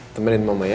temenin mama ya